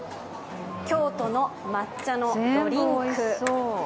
京都の抹茶のドリンク。